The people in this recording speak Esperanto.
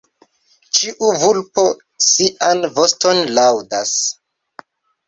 Ĉiu vulpo sian voston laŭdas.